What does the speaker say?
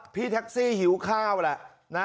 พี่แท็กซี่หิวข้าวแหละนะ